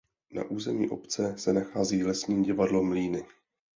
Na území obce se nachází Lesní divadlo Mlýny.